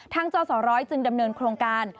จสร้อยจึงดำเนินโครงการ